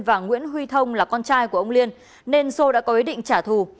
và nguyễn huy thông là con trai của ông liên nên sô đã có ý định trả thù